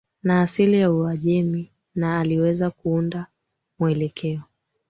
na asili ya Uajemi na aliweza kuunda mwelekeo